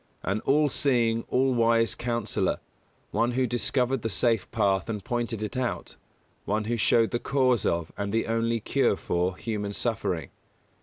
An all seeing, all wise Counsellor; one who discovered the safe path and pointed it out; one who showed the cause of, and the only cure for, human suffering.